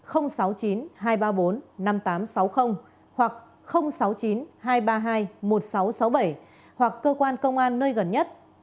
hoặc sáu mươi chín hai trăm ba mươi hai một nghìn sáu trăm sáu mươi bảy hoặc cơ quan công an nơi gần nhất